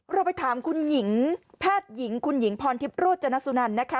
เราไปถามคุณหญิงแพทย์หญิงคุณหญิงพรทิพย์โรจนสุนันนะคะ